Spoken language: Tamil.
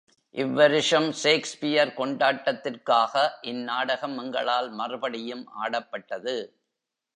இவ் வருஷம் ஷேக்ஸ்பியர் கொண்டாட்டத்திற்காக இந் நாடகம் எங்களால் மறுபடியும் ஆடப்பட்டது.